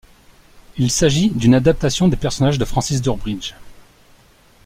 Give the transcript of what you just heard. Il s'agit d'une adaptation des personnages de Francis Durbridge.